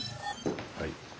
はい。